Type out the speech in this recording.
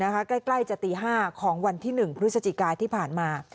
ใกล้จะตี๕ของวันที่๑พฤศจิกาที่ผ่านมา